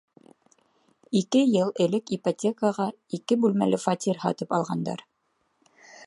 Ике йыл элек ипотекаға ике бүлмәле фатир һатып алғандар.